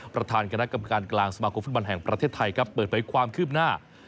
ประธานคณะกรรมการกลางสมาคมฟุตบอลแห่งประเทศไทยครับเปิดเผยความคืบหน้า